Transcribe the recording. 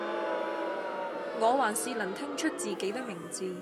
我還是能聽出自己的名字